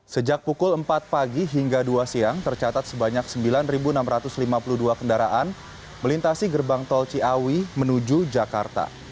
sejak pukul empat pagi hingga dua siang tercatat sebanyak sembilan enam ratus lima puluh dua kendaraan melintasi gerbang tol ciawi menuju jakarta